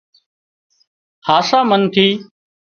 هاسا منَ ٿِي